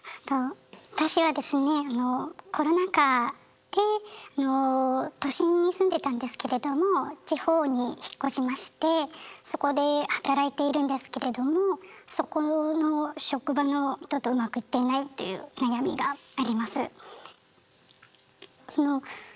私はですねコロナ禍であの都心に住んでたんですけれども地方に引っ越しましてそこで働いているんですけれどもっていう悩みがあります。